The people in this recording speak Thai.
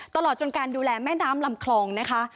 ตลอดจนการดูแลแม่น้ำลำคลองนะคะ